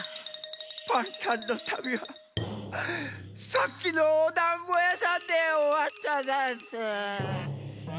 パンタンのたびはさっきのおだんごやさんでおわったざんす。